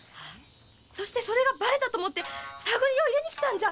そしてそれがバレたと思って探りを入れに来たんじゃ？